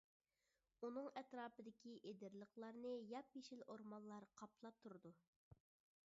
ئۇنىڭ ئەتراپىدىكى ئېدىرلىقلارنى ياپيېشىل ئورمانلار قاپلاپ تۇرىدۇ.